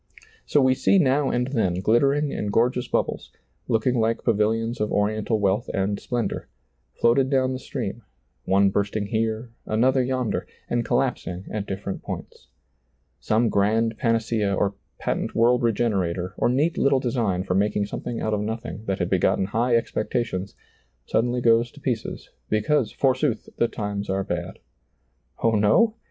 So we see now and then glittering and gor geous bubbles, looking like pavilions of oriental wealth and splendor, floated down the stream, one bursting here, another yonder, and collaps ing at different points. Some grand panacea or patent world regenerator, or neat little design for making something out of nothing that had begotten high expectations, suddenly goes to pieces, because forsooth the times are bad. Oh, no